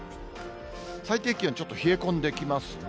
最低気温、ちょっと冷え込んできますね。